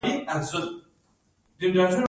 ایا زه باید پیاز وخورم؟